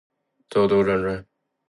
兜兜转转